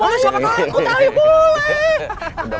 boleh siapa tau aku tarik boleh